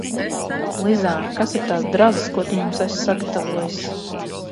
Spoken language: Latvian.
Lizār, kas ir tās drazas, ko tu mums esi sagatavojis?